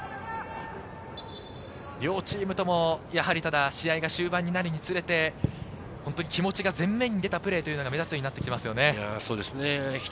両チームともやはりただ試合が終盤になるにつれて、気持ちが全面に出たプレーが目立つようになってきましたね。